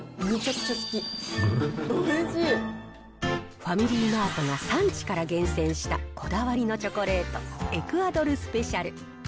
ファミリーマートが産地から厳選したこだわりのチョコレート、エクアドルスペシャル。